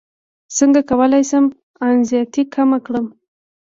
څنګه کولی شم انزیتي کمه کړم